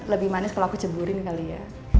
lebih manis kalau aku ceburin kali ya